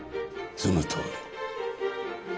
そのとおり。